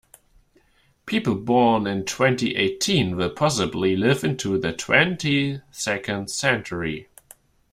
People born in twenty-eighteen will possibly live into the twenty-second century.